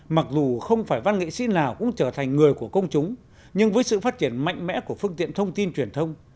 mặc dù không phải văn nghệ sĩ nào cũng trở thành người của công chúng nhưng với sự phát triển mạnh mẽ của phương tiện thông tin truyền thông